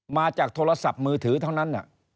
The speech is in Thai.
มาจากโทรศัพท์มือถือเท่านั้น